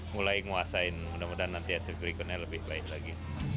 mulai nguasain mudah mudahan nanti hasil berikutnya lebih baik lagi